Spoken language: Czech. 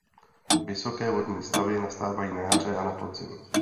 Vysoké vodní stavy nastávají na jaře a na podzim.